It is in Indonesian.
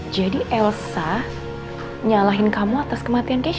jadi elsa nyalahin kamu atas kematian keisha